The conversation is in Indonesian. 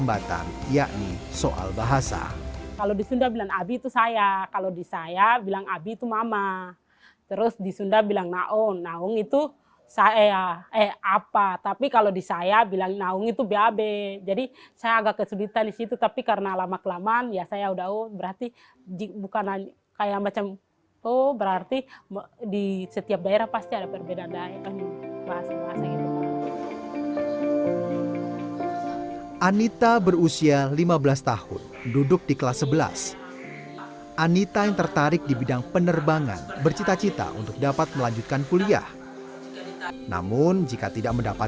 berada di sekolah yang murid muridnya berasal dari suku dan budaya yang berbeda merupakan pengalaman baru dalam hidupnya